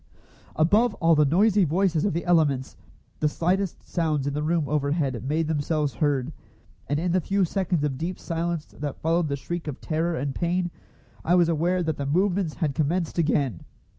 Above all the noisy voices of the elements, the slightest sounds in the room overhead made themselves heard, and in the few seconds of deep silence that followed the shriek of terror and pain I was aware that the movements had commenced again.